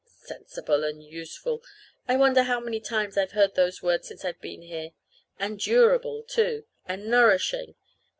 Sensible and useful! I wonder how many times I've heard those words since I've been here. And durable, too. And nourishing.